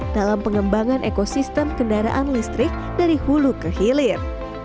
dalam pengembangan ekosistem kendaraan listrik dari hulu ke hilir